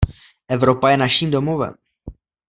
Evropa je naším domovem.